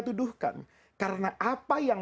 tuduhkan karena apa yang